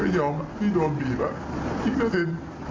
พี่ก็ยอมพี่โดนบีบพี่ก็เซ็น